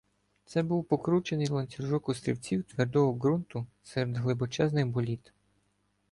Це був покручений ланцюжок острівців твердого ґрунту серед глибочезних боліт.